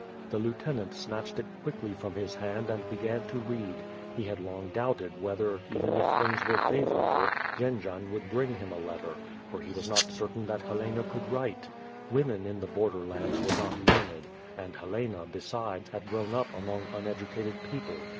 The lieutenant snatched it quickly from his hand and began to read; he had long doubted whether, even if things were favorable, Jendzian would bring him a letter, for he was not certain that Helena could write. Women in the bor der lands were not learned, and Helena, besides, had grown up among uneducated people.